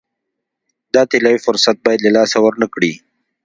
دا طلایي فرصت باید له لاسه ورنه کړي.